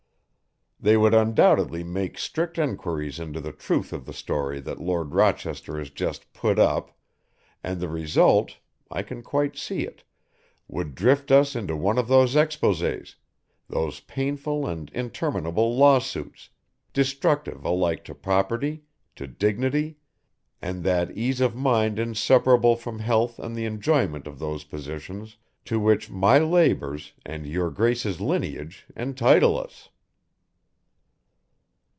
They would undoubtedly make strict enquiries into the truth of the story that Lord Rochester has just put up, and the result I can quite see it would drift us into one of those exposés, those painful and interminable lawsuits, destructive alike to property, to dignity, and that ease of mind inseparable from health and the enjoyment of those positions to which my labours and your Grace's lineage entitle us."